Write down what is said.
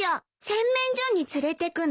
洗面所に連れてくの？